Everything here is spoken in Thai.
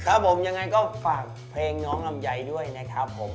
ครับผมยังไงก็ฝากเพลงน้องลำไยด้วยนะครับผม